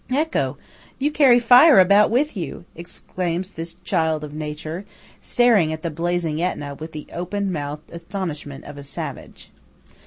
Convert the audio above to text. "Ecco! you carry fire about with you!" exclaims this child of nature, staring at the blazing Etna with the open mouthed astonishment of a savage.